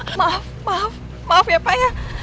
kenapa aku gramsas einmal